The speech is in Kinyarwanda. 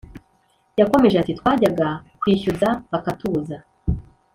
yakomeje ati Twajyaga kwishyuza bakatubuza